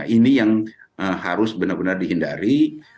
ini yang harus benar benar dihindari